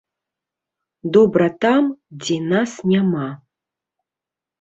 Добра там, дзе нас няма.